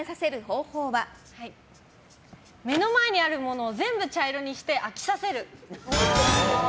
目の前にあるものを全部茶色にして飽きさせる。